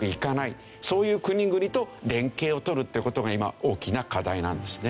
そういう国々と連携を取るっていう事が今大きな課題なんですね。